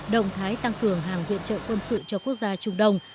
động thái tăng cường hàng viện trợ quân sự cho quốc gia trung đông